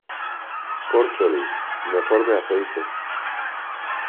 Córcholis, mejor me afeito.